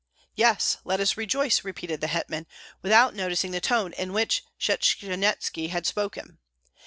"Yes, let us rejoice!" repeated the hetman, without noticing the tone in which Shchanyetski had spoken.